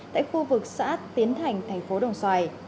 tại khu vực xã tiến thành thành phố đồng xoài